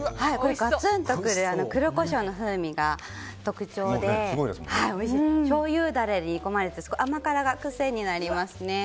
ガツンとくる黒コショウの風味が特徴でしょうゆダレで煮込まれて甘辛が癖になります。